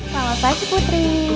selamat pagi putri